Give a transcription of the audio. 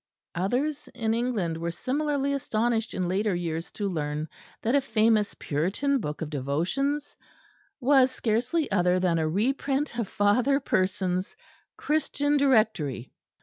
Others in England were similarly astonished in later years to learn that a famous Puritan book of devotions was scarcely other than a reprint of Father Persons' "Christian Directory."